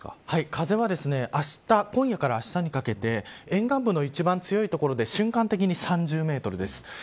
風は今夜からあしたにかけて沿岸部の一番強い所で瞬間的に３０メートルです。